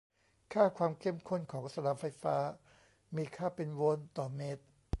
ค่าความเข้มข้นของสนามไฟฟ้ามีค่าเป็นโวลต์ต่อเมตร